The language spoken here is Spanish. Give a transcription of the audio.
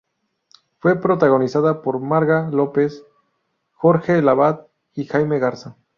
Fue protagonizada por Marga López, Jorge Lavat y Jaime Garza.